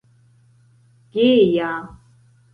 geja